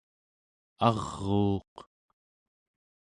aruuq